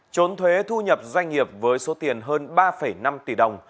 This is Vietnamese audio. trốn thuế thu nhập doanh nghiệp với số tiền hơn ba năm tỷ đồng